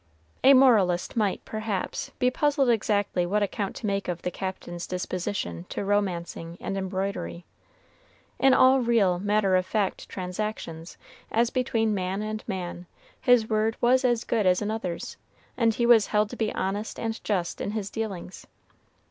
A moralist might, perhaps, be puzzled exactly what account to make of the Captain's disposition to romancing and embroidery. In all real, matter of fact transactions, as between man and man, his word was as good as another's, and he was held to be honest and just in his dealings.